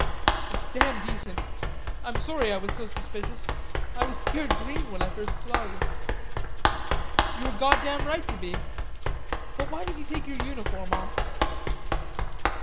"It's damn decent. I'm sorry I was so suspicious. I was scared green when I first saw you." "You were goddam right to be. But why did yous take yer uniform off?"